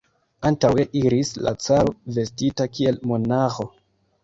Antaŭe iris la caro, vestita kiel monaĥo.